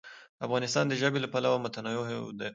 افغانستان د ژبې له پلوه متنوع دی.